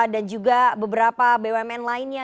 dan juga beberapa bumn lainnya